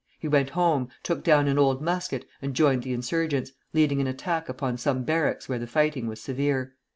He went home, took down an old musket, and joined the insurgents, leading an attack upon some barracks where the fighting was severe.